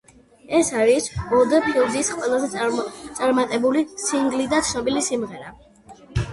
ეს არის ოლდფილდის ყველაზე წარმატებული სინგლი და ცნობილი სიმღერა.